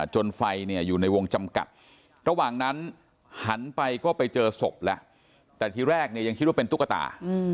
จนไฟเนี่ยอยู่ในวงจำกัดระหว่างนั้นหันไปก็ไปเจอศพแล้วแต่ทีแรกเนี่ยยังคิดว่าเป็นตุ๊กตา